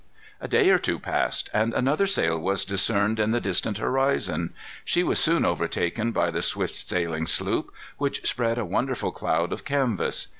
A day or two passed, and another sail was discerned in the distant horizon. She was soon overtaken by the swift sailing sloop, which spread a wonderful cloud of canvas.